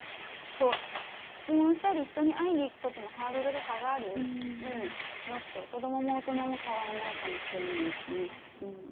こう質問したり人に会いに行くことのハードルが下がるのって子どもも大人も変わらないかもしれないですね。